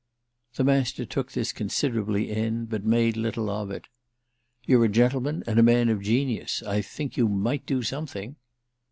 The Master took this considerably in, but made little of it. "You're a gentleman and a man of genius. I think you might do something."